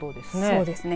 そうですね